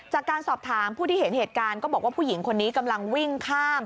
จากการสอบถามผู้ที่เห็นเหตุการณ์ก็บอกว่าผู้หญิงคนนี้กำลังวิ่งข้าม